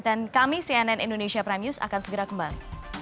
dan kami cnn indonesia prime news akan segera kembali